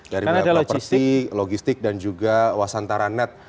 dari bnp logistik dan juga wasantaranet